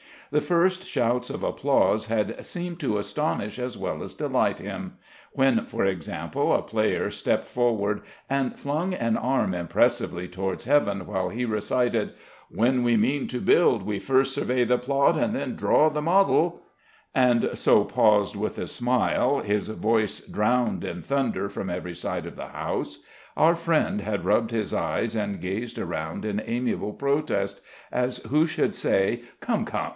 The first shouts of applause had seemed to astonish as well as delight him. When, for example, a player stepped forward and flung an arm impressively towards heaven while he recited When we mean to build, We first survey the plot, then draw the model and so paused with a smile, his voice drowned in thunder from every side of the house, our friend had rubbed his eyes and gazed around in amiable protest, as who should say, "Come, come